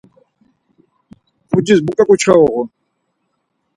Pucis muǩu ǩuçxe uğun?